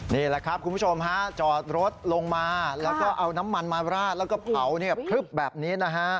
นี่แหละครับคุณผู้ชมฮะจอดรถลงมาแล้วก็เอาน้ำมันมาราดแล้วก็เผาเนี่ยพลึบแบบนี้นะฮะ